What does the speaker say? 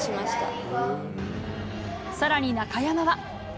さらに中山は。